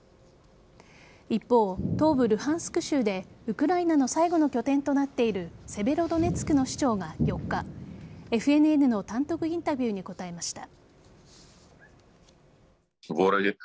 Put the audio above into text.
一方、東部・ルハンスク州でウクライナの最後の拠点となっているセベロドネツクの市長が４日ＦＮＮの単独インタビューに答えました。